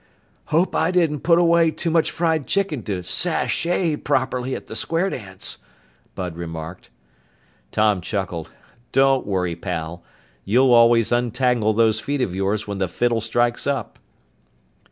"Hope I didn't put away too much fried chicken to sashay properly at the square dance," Bud remarked. Tom chuckled. "Don't worry, pal. You always untangle those feet of yours when the fiddle strikes up!"